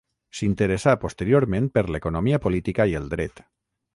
S'interessà posteriorment per l'economia política i el dret.